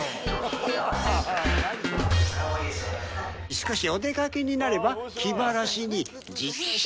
「しかしお出掛けになれば気晴らしに」